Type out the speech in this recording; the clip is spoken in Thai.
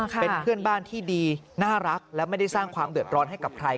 เป็นเพื่อนบ้านที่ดีน่ารักและไม่ได้สร้างความเดือดร้อนให้กับใคร